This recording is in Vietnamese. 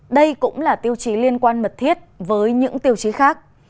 đây cũng là tiêu chí liên quan mật thiết với những tiêu chí khác